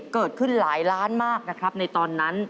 เกิดขึ้นหลายล้านมากนะครับในตอนนั้น